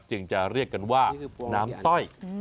จึงจะเรียกกันว่าน้ำต้อย